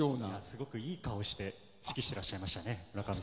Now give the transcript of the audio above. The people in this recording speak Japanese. すごくいい顔して指揮してらっしゃいましたね。